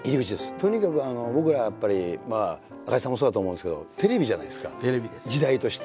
とにかく僕らはやっぱり赤井さんもそうだと思うんですけどテレビじゃないですか時代として。